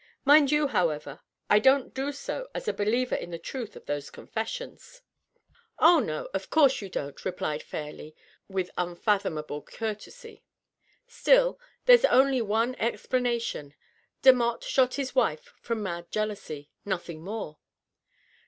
Mind you, however, I don't do so as a believer in the truth of these confessions." " Oh, no ; of course you don't," replied Fairleigh, with unfathom able courtesy. " Still, there's only one explanation. Demotte shot his wife from mad jealousy — nothing more."